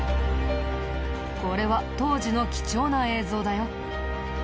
これは当時の貴重な映像だよ。